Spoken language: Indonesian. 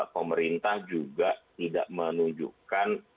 pemerintah juga tidak menunjukkan